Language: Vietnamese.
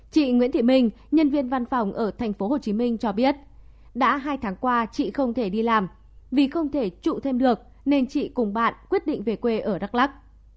chị nguyễn thị minh nhân viên văn phòng ở tp hcm cho biết đã hai tháng qua chị không thể đi làm vì không thể trụ thêm được nên chị cùng bạn quyết định về quê ở đắk lắc